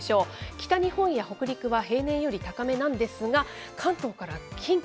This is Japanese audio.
北日本や北陸は平年より高めなんですが、関東から近畿。